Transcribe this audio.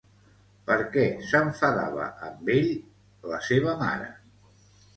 Per què s'enfadava amb ell la seva mare?